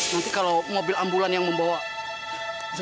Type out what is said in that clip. nanti kalau mobil ambulan yang membawa jenazah